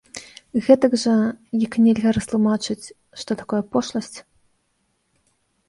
Гэтак жа, як і нельга растлумачыць, што такое пошласць.